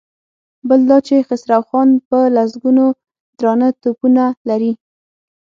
بل دا چې خسرو خان په لسګونو درانه توپونه لري.